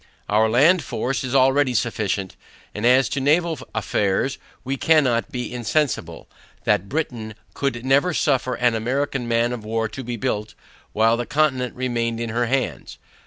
Our land force is already sufficient, and as to naval affairs, we cannot be insensible, that Britain would never suffer an American man of war to be built, while the continent remained in her hands.